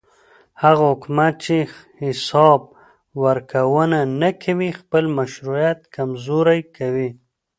هغه حکومت چې حساب ورکوونه نه کوي خپل مشروعیت کمزوری کوي